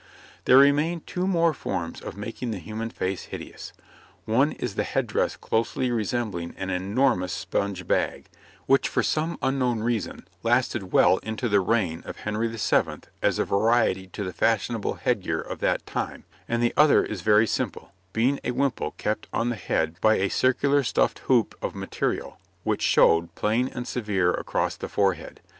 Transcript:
}] There remain two more forms of making the human face hideous: one is the head dress closely resembling an enormous sponge bag, which for some unknown reason lasted well into the reign of Henry VII. as a variety to the fashionable head gear of that time, and the other is very simple, being a wimple kept on the head by a circular stuffed hoop of material, which showed, plain and severe across the forehead.